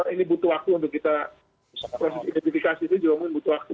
ini butuh waktu untuk kita proses identifikasi itu juga mungkin butuh waktu